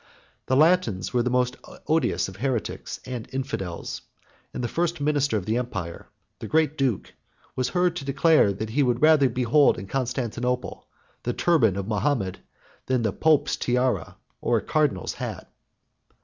The Latins were the most odious of heretics and infidels; and the first minister of the empire, the great duke, was heard to declare, that he had rather behold in Constantinople the turban of Mahomet, than the pope's tiara or a cardinal's hat.